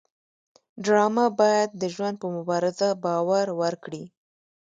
ډرامه باید د ژوند په مبارزه باور ورکړي